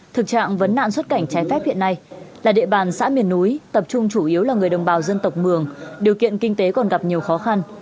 thực trạng vấn nạn xuất cảnh trái phép hiện nay là địa bàn xã miền núi tập trung chủ yếu là người đồng bào dân tộc mường điều kiện kinh tế còn gặp nhiều khó khăn